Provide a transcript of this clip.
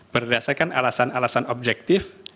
berdasarkan alasan alasan objektif